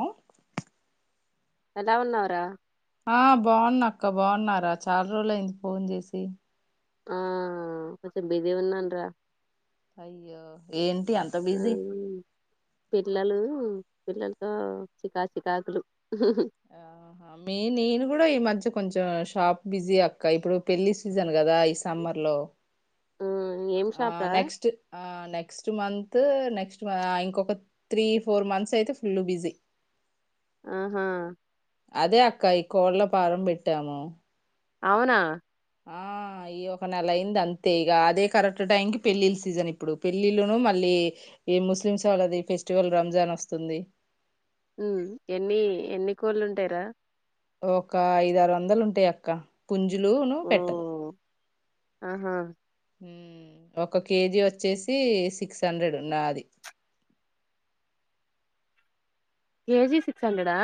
Hello ఎలా ఉన్నవురా? ఆ బాగున్నా అక్క. బాగున్నారా చాలా రోజులు అయింది ఫోన్ చేసి. ఆ కొంచెం బిజీ ఉన్నానురా. అయ్యో ఏంటి అంత బిజీ. పిల్లలు పిల్లలతో చికా చికాకులు. ఆహా మీ నేను కూడా ఈ మధ్య కొంచెం ఇగా షాప్ బిజీ అక్క ఇప్పుడు పెళ్లి సీజన్ కదా ఈ సమ్మర్ లో. ఆ ఏం ఆ షాప్ రా నెక్స్ట్ ఆనెక్స్ట్ మంత్ త్ నెక్స్ట్ ఇంకొక త్రీ ఫోర్ మంత్స్ అయితే ఫుల్లు బిజీ. ఆహా అదే అక్కా ఈ కోళ్ల ఫారం పెట్టాము. అవునా. ఆ ఈ ఒక నెల అయింది అంతే ఇగ అదే కరెక్ట్ టైం కి పెళ్ళిళ్ళ సీజన్ ఇప్పుడు పెళ్ళిళ్ళును మళ్ళీ ఈ ముస్లిమ్స్ వాళ్ళది ఫెస్టివల్ రంజాన్ వస్తుంది. హ్ ఎన్ని ఎన్ని కోళ్ళు ఉంటయిరా. ఒక ఐదు ఆరు వందలు ఉంటాయి అక్క. పుంజ లు ఉన్ను ఓ పెట్టలు. ఆహా హ్ ఒక కేజీ వచ్చేసి సిక్స్ హండ్రెడ్ ఉనాది. కేజీ సిక్స్ హండ్రెడా.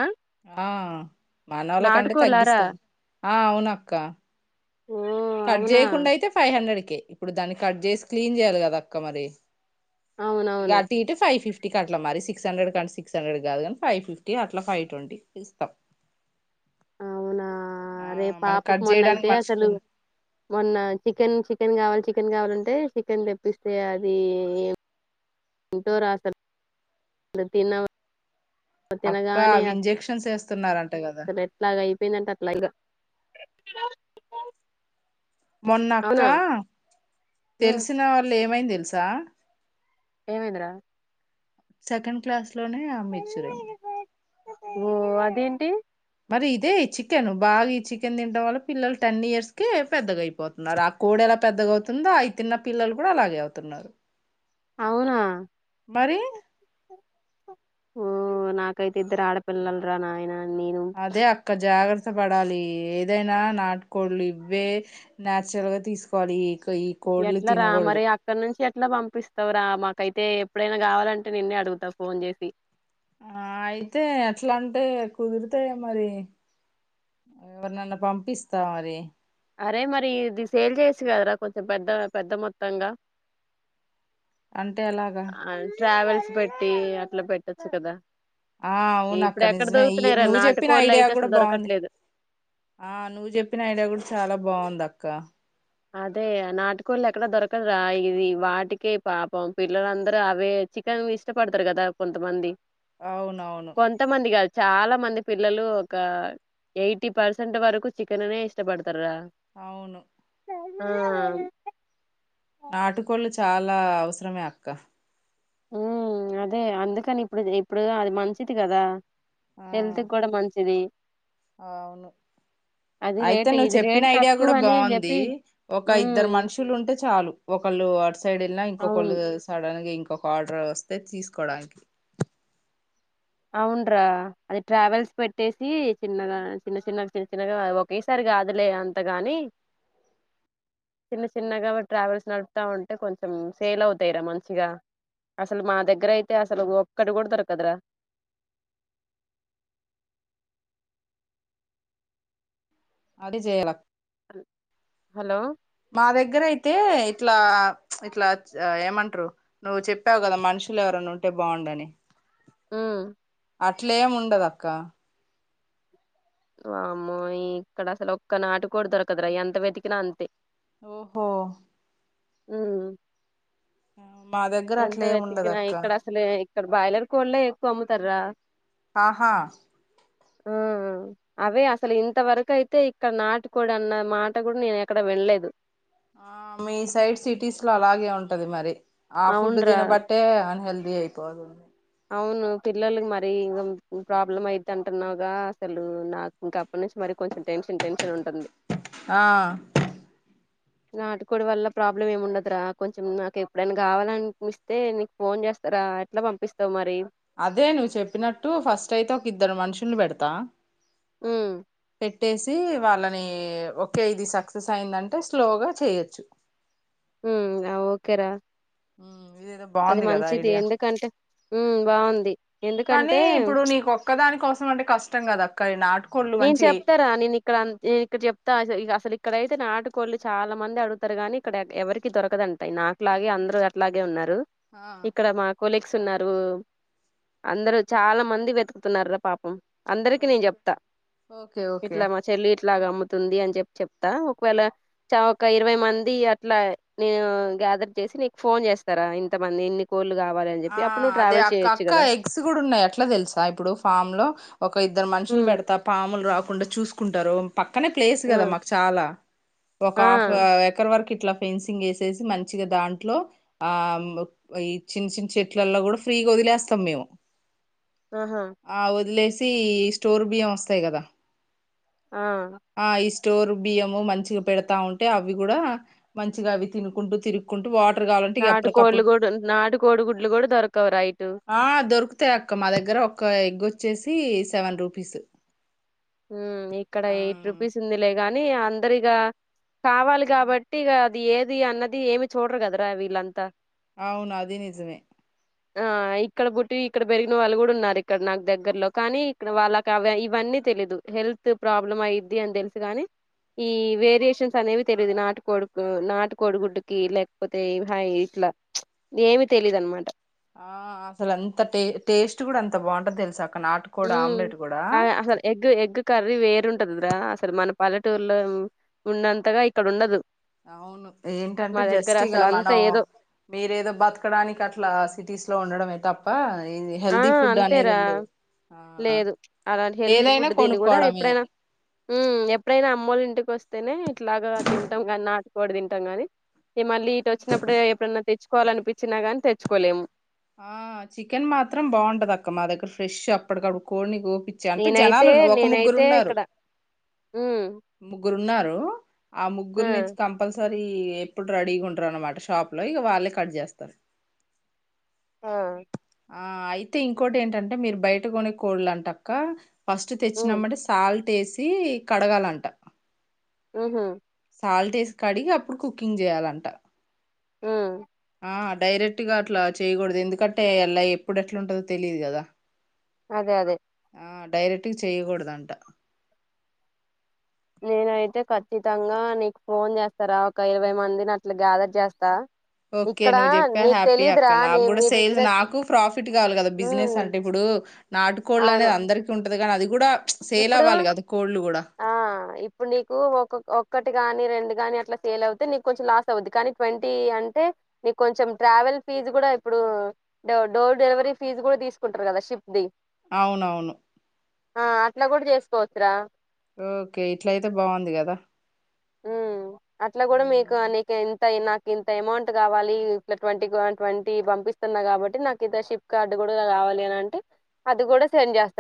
ఆ మానోళ్ళ కంటే నాటుకోళ్ళారా తగ్గిస్తం. ఆ అవున అక్క. ఓ కట్ అవునా చేయకుండా అయితే ఫైవ్ హండ్రెడ్ క ఇప్పుడు దాన్ని కట్ చేసి క్లీన్ చేయాలి కదా అక్క మరి ఇగ అవునవును అటు ఇటు ఫైవ్ ఫిఫ్టీ అట్లా మరి సిక్స్ హండ్రెడ్ కంటే సిక్స్ హండ్రెడ్ కాదు కానీ ఫైవ్ ఫిఫ్టీ అట్లా ఫైవ్ ట్వంటీ ఇస్తాం అవునా ఆ రే మనకు పాపకి కట్ మొన్న చేయడానికి అయితే మనుషులు అసలు ఉన్నా- మొన్న చికెన్ చికెన్ కావాలి చికెన్ కావాలంటే చికెన్ తెప్పిస్తే అది ఎంతో రాసారు తిన అక్క తినగానే అవి ఇంజెక్షన్స్ వేస్తున్నారంట కదా వింతట్లాగా మొన్న అక్క ఉమ్ తెలిసిన వాళ్ళు ఏమైంది తెలుసా ఏం అయిందిరా సెకండ్ క్లాస్ ఇంట్లోనే ఆమె మెచూరైంది. ఓ అదేంటి మరి ఇదే చికెన్ బాగా ఈ చికెన్ తినడం వల్ల పిల్లలు టెన్ ఇయర్స్ కే పెద్దగా అయిపోతున్నారు ఆ కోడి ఎలా పెద్దగా అవుతుందో అవి తిన్న పిల్లలు కూడా అలాగే అవుతున్నారు అవునా మరి ఓ నాకైతే ఇద్దరు ఆడపిల్లలురా నాయన నేను అదే అక్క జాగ కష్టపడాలి ఏదైనా నాటుకోళ్లు ఇవ్వే నాచురల్ గా తీసుకోవాలి కో- ఈ కోళ్లు ఎట్లా రా తినకూడదు మరి అక్కడ నుంచి ఎ ఇట్లా పంపిస్తావరా మాకైతే ఎప్పుడైనా కావాలంటే నిన్నే అడుగుతా ఫోన్ చేసి ఆ అయితే ఎట్లా అంటే కుదురుతే మరి ఎవరినన్న పంపిస్తా మరి అరే మరి ఇది సేల్ చేసి కదరా కొంచెం పెద్ద పెద్ద మొత్తంగా అంటే ఎలాగా ట్రావెల్స్ పెట్టి అట్లా పెట్టొచ్చు కదా ఆ అవున అక్క ఇప్పుడు ఎక్కడ నిజమే ఈ దొరుకుతున్నాయిరా నువ్వు చెప్పిన నాటుకోళ్ళు ఐడియా అయితే కూడా అసలు బాగుంది దొరకట్లేదు ఆ నువ్వు చెప్పిన ఐడియా కూడా చాలా బాగుంది అక్క అక్క అదే నాటికోళ్ళు ఎక్కడ దొరకదు రా ఇది వాటికే పాపం పిల్లలందరూ అవే చికెన్ ఇష్టపడతారు కదా కొంతమంది అవునవును కొంతమంది కాదు చాలా మంది పిల్లలు ఒక ఎయిటీ పర్సెంట్ వరకు చికెన్నే ఇష్టపడుత అవును ఆ నాటుకోళ్ళు చాలా అవసరమే అక్క ఉ అదే అందుకని ఇప్పుడు ఇప్పుడు అది మంచిది కదా ఆ హెల్త్ కూడా మంచిది అవును అది అయితే రేట్ నువ్వు ఇది చెప్పిన రేట్ ఐడియా తక్కువ కూడా అని బాగుంది చెప్పి ఒక ఉమ్ ఇద్దరు మనుషులు ఉంటే చాలు ఒకళ్ళు సైడ్లా ఇంకో కొల్ అవును సడన్‌గా ఒక ఆర్డర్ వస్తే తీసుకోవడానికి అవునరా అది ట్రావెల్స్ పెట్టేసి చిన్నగా చిన్న చిన్నగా చిన్న చిన్నగా ఒకేసారి కాదులే అంత గాని చిన్న చిన్నగా ట్రావెల్స్ నడుపుతా ఉంటే కొంచెం సేల్ అవుతాయిరా మంచిగా అసలు మా దగ్గరయితే అసలు ఒక్కటి కూడా దొరకదరా అది చేయలా హలో మా దగ్గరయితే ఇట్లా ఇట్లా ఏమంటారు నువ్వు చెప్పావు కదా మనుషులు ఎవరనా ఉంటే బాగుండని ఆ అట్లేము ఉండదు అక్క వామ్మో ఈ ఇక్కడ అసలు ఒక్క నాటు కూడా దొరకదురా ఎంత వెతికినా అంతే ఓహో మ్మ్ మా దగ్గర అట్లే ఏముండదు వెతికినా అక్క ఇక్కడ అసలు ఇక్కడ బాయిలర్ కోళ్ళ ఎక్కువ అమ్ముతారా ఆహా మ్మ్ అవే అసలు ఇంతవరకు అయితే ఇక్కడ నాటుకోడు అన్న మాట కూడా నేను ఎక్కడ వినలేదు ఆ మీ సైడ్ సిటీస్ లో అలాగే ఉంటది మరి ఆ ఫుడ్ అవునురా తినబట్టే అన్‌హెల్తీ అయిపోతుంది అవును పిల్లలకి మర ఇం ప్రాబ్లం అయితు అంటున్నాగా అసలు నాకు ఇంకప్పటి నుంచి మర కొంచెం టెన్షన్ టెన్షన్ ఉంటుంది ఆ నాటుకోడి వల్ల ప్రాబ్లమ్ ఏమి ఉండదురా కొంచెం నాకు ఎప్పుడైనా కావాలనిపిస్తే నీకు ఫోన్ చేస్తారా ఎట్లా పంపిస్త త్త మరి అదే నువ్వు చెప్పినట్టు ఫస్ట్ అయితే ఒక ఇద్దరు మనుషు లు పెడతా మ్మ్ పెట్టేసి వాళ్ళని ఒకే ఇది సక్సెస్ అయిందంటే స్లోగా చేయొచ్చు మ్మ్ ఓకేరా మ్మ్ ఇది ఏదో అది బాగుంది కదా మంచిది ఐడియా ఎందుకంటే ఉమ్ బాగుంది కానీ ఎందుకంటే ఇప్పుడు నీకు ఒక్కదానికోసం అంటే కష్టం కదా కానీ నాటు నేను చెప్తారా నేను ఇక్కడ నేను ఇక్కడ చెప్తా అసలు ఇక్కడైతే నాటు కోళ్ళు చాలా మంది అడుగుతారు కాని ఇక్కడ ఎవరికి దొరకదు అంటా నాకులాగే అందరు అట్లాగే ఉన్నారు ఆ ఇక్కడ మాకు న్నారు అందరు చాలా మంది వెతుకుతున్నారు రా పాపం అందరికి నేను చెప్తా ఓకే ఓకే అట్లాగా అమ్ముతుంది అని చెప్పి చెప్తా ఒకవేళ చ ఒక ఇరవై మంది అట్లా నేను గ్యాదర్ చేసి నీకు ఫోన్ చేస్తారా ఇంతమంది ఇన్ని కోలు కా ఆ అదే అక్క అక్క ఎగ్స్ కూడా ఉన్నాయి ఎట్లా తెలుసా ఇప్పుడు ఫామ్ లో ఒక ఇద్దరు మనుషులు ఉమ్ పెడతా పాములు రాకు కుండ చూసుకుంటారొ పక్కనే ప్లేస్ కదా ఆ మాకు చాలా ఒక ఆ హాఫ్ ఎకర్ వరకు ఇట్లా ఫెన్సింగ్ ఏసేసి మంచిగ దాంట్లో ఆ ఇ చిన్న చిన్న చెట్లల్లో కూడా ఫ్రీగా వదిలేస్తాం మేము ఆహా ఆ వదిలేసి స్టోర్ బియ్యం వస్తాయి కదా ఆ ఆ ఈ స్టోర్ బియ్యము మంచిగా పెడతా ఉంటే అవి కూడా మంచిగా అవి తినుకుంటూ తిరుగుకుంటూ నాటు కోళ్లు కూడా నాటు కోడుగుడ్లు కూడా దొరకవుర యి ఆ దొరుకుతాయి అక్క మా దగ్గర ఒక ఎగ్ వోచ్చేసి సెవెన్ రూపీస్ ఉ ఇక్కడ ఆ ఎయిట్ రుపీస్ ఉంది లే కానీ అందరిగ కావాలి కాబట్టి ఇక అది ఏది అన్నది ఏమి చూడరు కదరా వీళ్ళంతా అవును అది నిజమే ఆ ఇక్కడ పుట్టి ఇక్కడ పెరిగిన వాళ్ళు కూడా ఉన్నారు ఇక్కడ నాకు దగ్గర్లో కానీ ఇక్కడ వాళ్ళకి అ ఇవన్నీ తెలీదు హెల్త్ ప్రాబ్లం అయిద్ది అని తెలుసు కాని ఈ వేరియేషన్స్ అనేవి తెలీయదు నాటుకోడు నాటు కొడుగుడ్డుకి లేకపోతే అహ ఇట్లా ఏమి తెలీదు అనమాట ఆ అసలు అంత టే టేస్ట్ కూడా అంత బాగుంటది తెలుసా అ ఉ అసలు ఎగ్ ఎగ్ కర్రీ వేరుంటదిరా అసలు మన పల్లెటూరులో ఉన్నంతగా ఇక్కడ ఉండదు అవును ఏంటంటే మా దగ్గర జస్ట్ ఇగ అసలు అంతా మనం ఏదో మీరేదో బతకడానికి అట్లా సిటీస్ లో ఉండడమే తప్ప పయ్ [unintelligible] ఆ అంతేరా ఆ లేదు అలా హెల్తీ ఏదైనా ఫుడ్ దీని కూడా కొనుక్కోవడమే ఎప్పుడైనా ఉ ఎప్పుడైనా అమ్మోలు ఇంటికి వస్తే తేనే ఇట్లాగా తింటాం కాని నాటుకోడి తింటాం గాని ఇగ మల్లి ఇటు వచ్చినప్పుడే ఎప్పుడన్నా తెచ్చు కోవాలనిపించినా గాని తెచ్చుకోలేము ఆ చికెన్ మాత్రం బాగుంటది అక్క మా దగ్గర ఫ్రెష్ అప్పటికపుడు కోడినీ కో నేనైతే నేనైతే ఇక్కడ ఉ ముగ్గురు ఉన్నారు ఆ ముగ్గురు నించి కంపల్సర మది ఎప్పుడు రెడీగా ఉంటారు అనమాట షాప్ లో ఇగా వాళ్ళే కట్ చేస్తారు ఆ ఆ అయితే ఇంకోటి ఏంటంటే మీరు బయట కొనే కోళ్లు అంటక్క ఫస్ట్ ఉమ్ తెచ్చినామంటే సాల్ట్ టెసి కడగాలంట ఆహా సాల్ట్ ఎసి కడిగి అప్పుడు కుకింగ్ చేయాలంట ఆ ఆ డైరెక్ట్ గా అట్లా చేయకూడదు ఎందుకంటే అలా ఎప్పుడు ఎట్లా ఉంటందో తెలిదు గాదా అదే అదే డైరెక్ట్గా చేయాకూడదు అంట నేనైతే ఖచ్చితంగా నీకు ఫోన్ చేస్తారా ఒక ఇరవై మందిని అట్లా గ్యాదర్ చేస్తా ఓకే ఇక్కడ నువ్వు జెప్పా నీకు హ్యాపీ తెలీదురా అక్క నీ నాకు కూడా మీ సేల్స్ బిజినెస్ నాకు ప్రాఫిట్ కావాలి కదా బిజినెస్ ఉమ్ అంటే ఇప్పుడు నాటుకోళ్లు అవును అనేది అందరికి ఉంటు ఉంటది కానీ అది గుడా ఇప్పుడు ఆ ఇప్పుడు నీకు ఒకోక ఒ ఒకటి గాని రెండు గాని అట్లా సేల్ అవుతే నీకు కొంచెం లాస్ అవద్ది కానీ ట్వంటీ అంటే నీకు కొంచెం ట్రావెల్ ఫీజు కూడా ఇప్పుడు డోర్ డెలివరీ ఫీజు కూడా తీసుకుంటారు కదా షిప్ ది అవునవును ఆ అట్ల కూడా చేసుకోవచ్చురా ఓకే ఇట్లా అయితే బాగుంది కదా ఉ అట్లా కూడా మీకు అ ఉమ్. నీకు ఎంతయి నా ఇంత ఎమౌంట్ కావాలి ఇట్ల ట్వంటీ ట్వంటీ పంపిస్తున్నా కాబట్టి నాకింత షిప్ కార్డు కూడా కావాలి అని అంటే అది కూడా సెండ్ చేస్త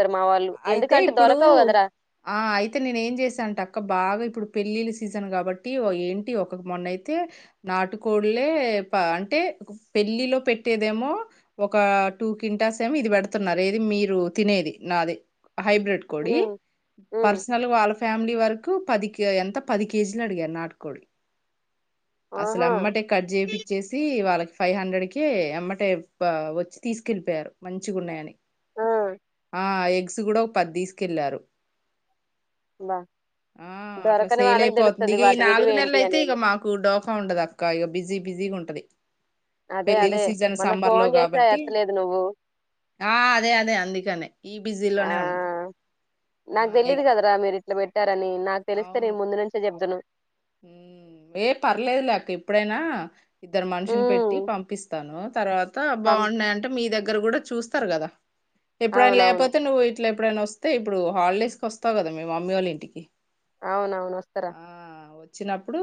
అయితే ఇప్పుడు ఆ అయితే నేను ఏం చేశాంట అక్క బాగా ఇప్పుడు పెళ్ళిళ సీజన్ కాబట్టి ఏంటి ఒక మొన్నయితే నాటుకోళ్లే ప అంటే పెళ్ళిలో పెట్టేదేమో ఒక టూ కింటాస్ ఏమో ఇది పెడుతున్నారు ఏది మీరు తినేది నాది హైబ్రిడ్ కోడి ఉమ్ ఉమ్ పర్సనల్ వాళ్ళ ఫ్యామిలీ వరకు కు పది కే ఎంత పది కేజీలు అడిగారు నాటుకోడి అసలు ఆహా ఎమ్మటే కట్ చేపిచ్చేసి వాళ్ళకి ఫైవ్ హండ్రెడ్కి ఎమ్మటె ప వచ్చి తీసుకెళ్ళిపోయారు మంచిగా ఉన్నాయని ఆ ఆ ఎగ్ ఎక్స్ కూడా ఒక పది తీసుకెళ్లారు బా ఆ అట్లా దొరకని సేల్ వాళ్ళకి అయిపోతుంది తెలుస్తది ఈ వాటి విలువ నాలుగు నెలల ఏంటి అయితే అనేది ఇగా మాకు డోకా ఉండదు అక్క ఇగా బిజీ బిజీగా ఉంటది అదే పెళ్ళిళ్ళ అదే సీజన్ మొన్న సమ్మర్ లో ఫోన్ చేసా కాబట్టి ఎత్తలేదు నువ్వు ఆ అదే అదే అందుకనే ఈ ఆ లోనే ఉన్నా ఆ నాకు తెలీదు ఎగ్ కదరా మీరి ఇట్ల పెట్ట అని నాకు తెలిస్తే నేను ముందు నుంచే చెప్తాను ఏం పర్లేదు లేక ఇప్పుడైనా ఇద్దరు మనుషులు పెట్టి ఉమ్ పంపిస్తాను తర్వాత పం బాగున్నాయంటే మీ దగ్గర ఇద్దరు కూడా చూస్తారు కదా ఎప్పుడైనా అవునవును లేకపోతే నువ్వు ఇట్ల ఎప్పుడైనా వస్తే ఇప్పుడు హాలిడేస్ కి వస్తావు కదా మీ మమ్మీ వాళ్ళ ఇంటికి అవునవును వస్తర ఆ వచ్చినప్పుడు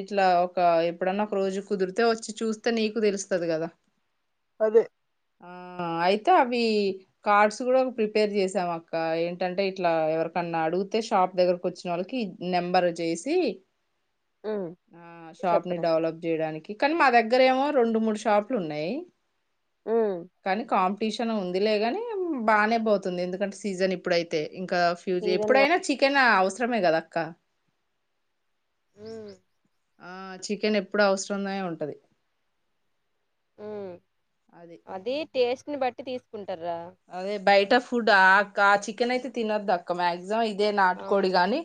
ఇట్ల ఒక ఎప్పుడన్నా ఒక రోజు కుదిరితే వచ్చి చూస్తే నీకు తెలుస్తది గదా అదే ఆ అయితే అవి కార్డ్స్ గడా ప్రిపేర్ చేసాం అక్క ఏంటంటే ఇట్లా ఎవరికన్నా అడిగితే షాప్ దగ్గరకి వచ్చిన వాళ్ళకి నెంబర్ చేసి ఉమ్ ఆ షాప్ ని చెప్పురా డెవలప్ చేయడానికి కానీ మా దగ్గర ఏమో రెండు మూడు షాపులు ఉన్నయి ఉమ్ కానీ కా టీషన్ ఉంది లే గానీ బానే పోతుంది ఎందుకంటే సీజన్ ఇప్పుడైతే ఇంకా ఫ్యూజీ సీజన్ గా ఎప్పుడైనా చికెన్ అవస్ అవసరమే కదక్క హమ్ ఆ చికెన్ ఎప్పుడు అవసరంగనే ఉంటది హమ్ అది టేస్ట్ని బ తీసుక టరా ట ఫుడ్ ఆ అక్క చికెన్ అయితే తినద్ అక్క మ్యా జా ఇదే అవును నాటుకోడి గాని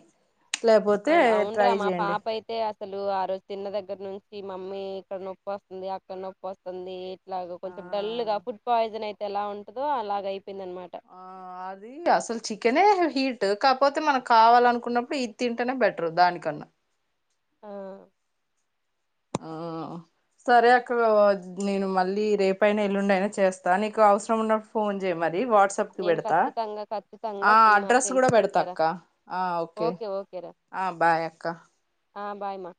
లేపోతే అవును అవునురా ట్రై మా చేయండి పాప అయితే అసలు ఆ రోజు తిన్న దగ్గర నుంచి మమ్మీ ఇక్కడ నొప్పి వస్తుంది అక్కడ నొప్పి వస్తుంది ఇలాగ ఆ కొంచెం డల్ ఫుడ్ పాయిజన్ అయితే ఎలా ఉంటందో అలాగై ఆ అది అసలు చికెనే హీట్ కాకపోతే మనం కావాలనుకున్నప్పుడు ఇది తింటేనే బెటరు దానికన్నా ఆ ఆ సరే అక్క నేను మళ్ళీ రేపయినా ఎల్లుండైనా అయినా చేస్తా నీకు అవసరం ఉన్నప్పుడు ఫోన్ చేయ మరి ది వాట్సప్కి నేను పెడతా ఖచ్చితంగా ఖచ్చితంగా ఆ మా అడ్రస్ గుడా ఫ్రెండ్స్ పెడతా చెప్తారా అక్క ఆ ఓకే ఆ బాయ్ అక్క ఆ బాయ్ మా